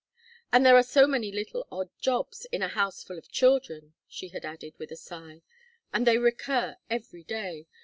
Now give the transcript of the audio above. "And there are so many little odd jobs, in a house full of children," she had added, with a sigh. "And they recur every day.